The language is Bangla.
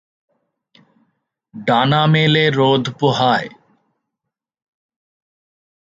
ডানা মেলে রোদ পোহায়।